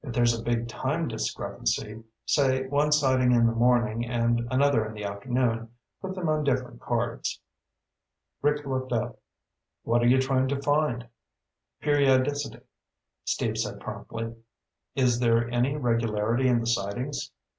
If there's a big time discrepancy say one sighting in the morning and another in the afternoon put them on different cards." Rick looked up. "What are you trying to find?" "Periodicity," Steve said promptly. "Is there any regularity in the sightings?